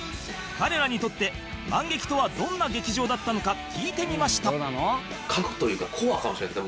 彼らにとってマンゲキとはどんな劇場だったのか聞いてみました